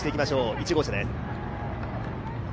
１号車です。